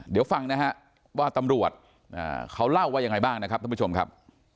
เดี๋ยวฟังนะฮะว่าตำรวจเขาเล่าว่ายังไงบ้างนะครับท่านผู้ชมครับ